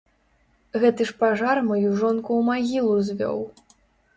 Гэты ж пажар маю жонку ў магілу звёў!